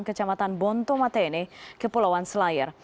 kecamatan bonto matene kepulauan selayar